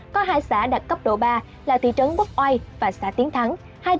có hai xã đạt cấp độ ba là thị trấn bốc oai và xã tiến thắng